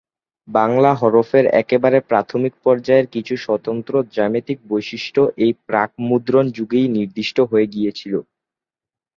বাংলা হরফের একেবারে প্রাথমিক পর্যায়ের কিছু স্বতন্ত্র জ্যামিতিক বৈশিষ্ট্য এই প্রাক-মুদ্রণ যুগেই নির্দিষ্ট হয়ে গিয়েছিল।